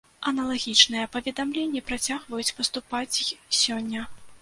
Аналагічныя паведамленні працягваюць паступаць й сёння.